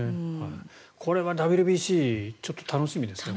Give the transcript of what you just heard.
これはＷＢＣちょっと楽しみですね。